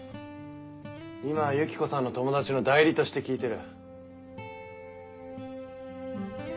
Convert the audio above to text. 今はユキコさんの友達の代理として聞いてる。